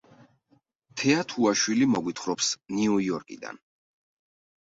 თეა თუაშვილი მოგვითხრობს ნიუ იორკიდან.